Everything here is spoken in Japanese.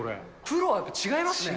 プロは違いますね。